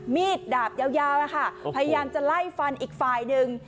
มีดดาบยาวไหว้ค่ะพยายามจะไล่ฟันอีกฝ่ายนึง